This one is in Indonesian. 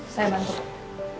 saya bantu pak